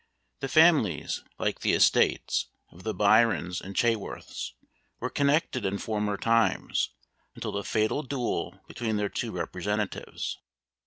The families, like the estates, of the Byrons and Chaworths, were connected in former times, until the fatal duel between their two representatives.